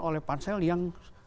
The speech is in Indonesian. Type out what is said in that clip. oleh pansel yang